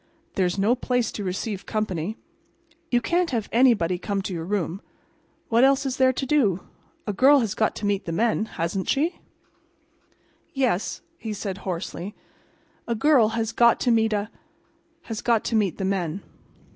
There's no place to receive company. You can't have anybody come to your room. What else is there to do? A girl has got to meet the men, hasn't she?" "Yes," he said, hoarsely. "A girl has got to meet a—has got to meet the men."